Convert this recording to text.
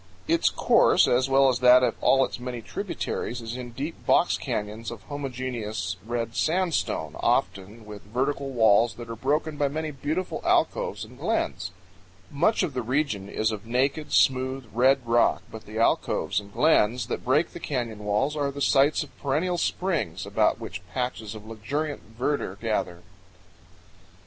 Its course, as well as that of all its many tributaries, is in deep box canyons of homogeneous red sandstone, often with vertical walls that are broken by many beautiful alcoves and glens. Much of the region is of naked, smooth, red rock, but the alcoves and glens that break the canyon walls are the sites of perennial springs, about which patches of luxuriant verdure gather.